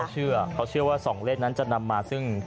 เขาเชื่อว่า๒เล่นนั้นจะนำมา